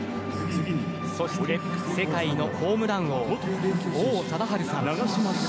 そして、世界のホームラン王王貞治さん。